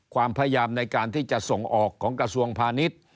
ความพยายามในการที่จะส่งออกของกระทรวงพาณิชย์